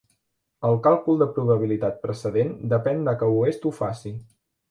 El càlcul de probabilitat precedent depèn de que Oest ho faci.